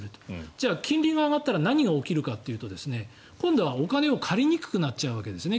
じゃあ、金利が上がったら何が起きるかというと今度はお金を借りにくくなるわけですね。